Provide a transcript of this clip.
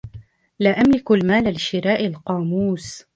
لا أملك المال لشراء القاموس.